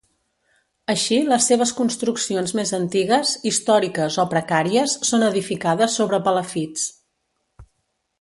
Així les seves construccions més antigues, històriques o precàries són edificades sobre palafits.